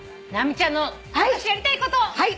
直美ちゃんの今年やりたいこと。